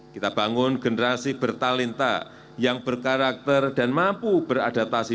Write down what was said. kita bangun generasi bertalenta yang berkarakter dan mampu beradaptasi